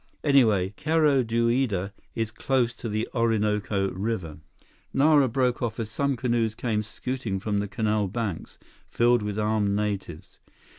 Anyway, Cerro Duida is close to the Orinoco River—" Nara broke off as some canoes came scooting from the canal banks, filled with armed natives.